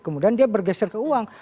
kemudian dia bergeser ke uang